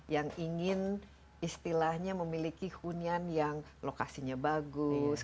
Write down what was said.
yang ingin istilahnya memiliki hunian yang lokasinya bagus